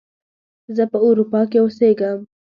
زه په اروپا کې اوسیږم